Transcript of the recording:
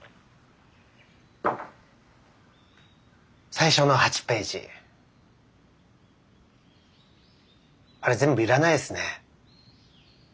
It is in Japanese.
最初の８ページあれ全部いらないですね。